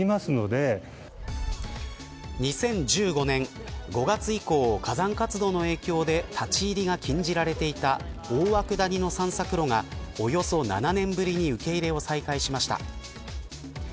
２０１５年５月以降火山活動の影響で立ち入りが禁じられていた大涌谷の散策路がおよそ７年ぶりに受け入れを再開しました。